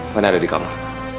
fani ada di kamar